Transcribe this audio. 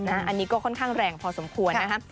อันนี้ก็ค่อนข้างแรงพอสมควรนะครับ